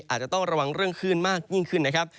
อาจจะต้องระวังเรื่องคลื่นมากยิ่งขึ้นนะครับ